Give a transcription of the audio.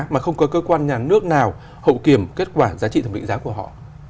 mà không có cơ quan nhà nước nào hậu kiểm kết quả giá trị thẩm định giá của họ